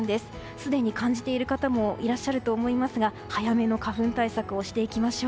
すでに感じている方もいらっしゃると思いますが早めの花粉対策をしていきましょう。